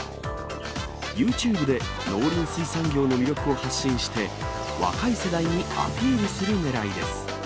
ユーチューブで農林水産業の魅力を発信して、若い世代にアピールするねらいです。